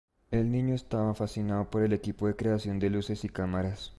El niño estaba fascinado por el equipo de creación de luces y cámaras.